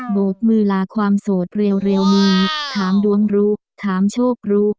บทมือลาความโสดเร็วนี้ถามดวงรู้ถามโชครู้